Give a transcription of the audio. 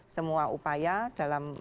semua upaya dalam